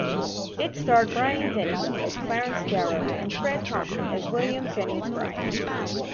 It starred Brian Dennehy as Clarence Darrow and Fred Thompson as William Jennings Bryan.